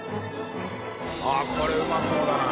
◆舛これうまそうだな。